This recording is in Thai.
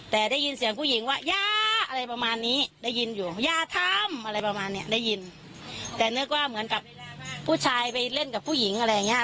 แต่ได้ยินเสียงผู้หญิงว่าอย่าอะไรประมาณนี้ได้ยินอยู่อย่าทำอะไรประมาณเนี้ยได้ยินแต่นึกว่าเหมือนกับผู้ชายไปเล่นกับผู้หญิงอะไรอย่างเงี้